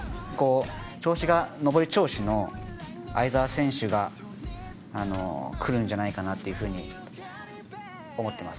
調子が上り調子の相澤選手がくるんじゃないかなと思ってます。